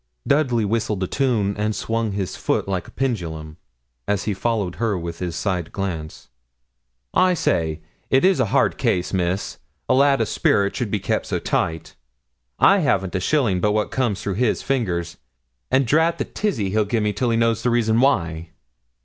Dudley whistled a tune, and swung his foot like a pendulum, as he followed her with his side glance. 'I say, it is a hard case, Miss, a lad o' spirit should be kept so tight. I haven't a shilling but what comes through his fingers; an' drat the tizzy he'll gi' me till he knows the reason why.'